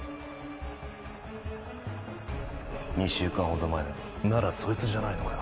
２週間ほど前だならそいつじゃないのか？